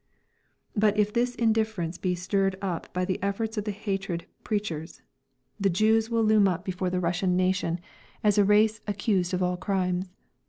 But if this indifference be stirred up by the efforts of the hatred preachers, the Jews will loom up before the Russian nation as a race accused of all crimes.